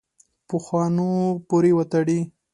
پخوانو پورې وتړي.